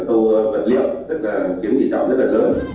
tâu vật liệu kiếm lý tỏ rất lớn